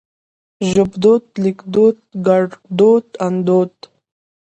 ژبدود ليکدود ګړدود اندود